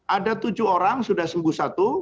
ada tujuh orang sudah sembuh satu